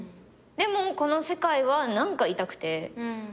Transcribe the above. でもこの世界は何かいたくて。